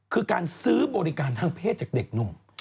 คือการซื้อบริการทางเพศจากเด็กหนุ่ม